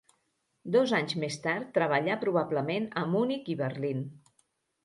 Dos anys més tard treballà probablement a Munic i Berlín.